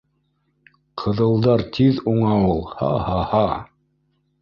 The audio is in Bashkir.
— Ҡыҙылдар тиҙ уңа ул, һа-һа-һа